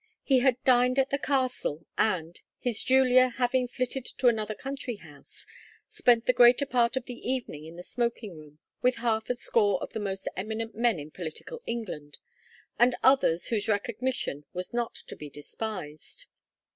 He had dined at the castle, and his Julia having flitted to another country house spent the greater part of the evening in the smoking room with half a score of the most eminent men in political England; and others whose recognition was not to be despised.